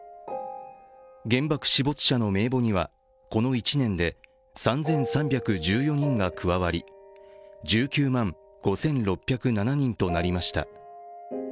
原爆死没者の名簿には、この１年で３３１４人が加わり、１９万５６０７人となりました。